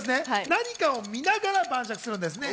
何かを見ながら晩酌するんですね。